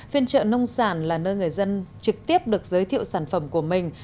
phiên trợ nông sản là nơi người dân trực tiếp được giới thiệu sản phẩm của mình